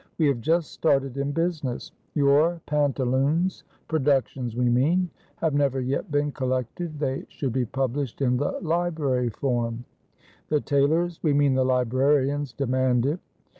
We have just started in business. Your pantaloons productions, we mean have never yet been collected. They should be published in the Library form. The tailors we mean the librarians, demand it.